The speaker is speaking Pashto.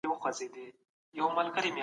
د ستونزو سره سازش د پرمختګ لاره ده.